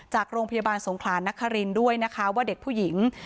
จากโรงพยาบาลสงขลานนครินทร์ด้วยนะคะว่าเด็กผู้หญิง